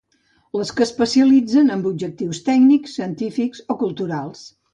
Les que especialitzen amb objectius tècnics, científics o culturals.